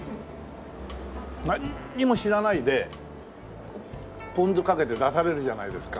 なんにも知らないでポン酢かけて出されるじゃないですか。